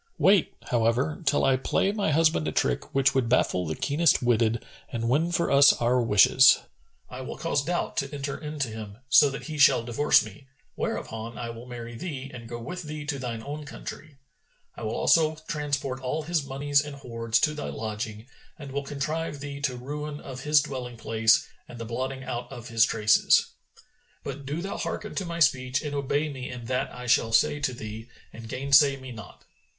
Wait, however, till I play my husband a trick which would baffle the keenest witted and win for us our wishes. I will cause doubt to enter into him, so that he shall divorce me, whereupon I will marry thee and go with thee to thine own country; I will also transport all his monies and hoards to thy lodging and will contrive thee the ruin of his dwelling place and the blotting out of his traces. But do thou hearken to my speech and obey me in that I shall say to thee and gainsay me not."